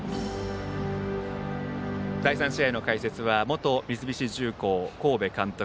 第３試合の解説は元三菱重工神戸監督